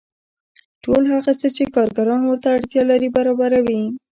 ټول هغه څه چې کارګران ورته اړتیا لري برابروي